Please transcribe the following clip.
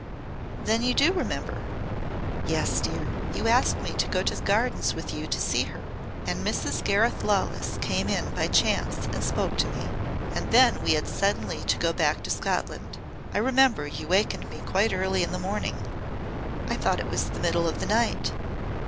"Then you do remember?" "Yes, dear. You asked me to go to the Gardens with you to see her. And Mrs. Gareth Lawless came in by chance and spoke to me." "And then we had suddenly to go back to Scotland. I remember you wakened me quite early in the morning I thought it was the middle of the night."